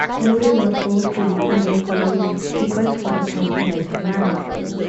Moore was forced to resign his seat; his request for a pension was denied.